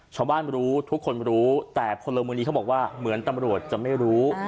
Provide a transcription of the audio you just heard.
ชาวบ้านรู้ทุกคนรู้แต่พลเมืองดีเขาบอกว่าเหมือนตำรวจจะไม่รู้